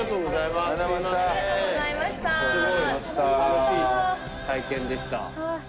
すごい楽しい体験でした。